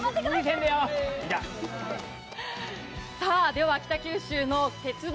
さあ、では北九州の鉄棒